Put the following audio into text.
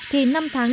thì năm tháng chín